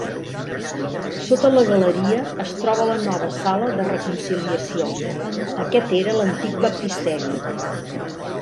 Sota la galeria es troba la nova Sala de Reconciliació, aquest era l'antic baptisteri.